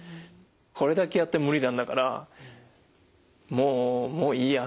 これだけやって無理なんだからもうもういいやと思って。